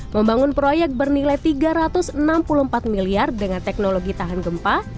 membangun proyek bernilai tiga ratus enam puluh empat miliar dengan teknologi tahan gempa